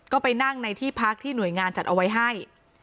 ก็ไปนั่งในที่พักที่หน่วยงานจัดเอาไว้ให้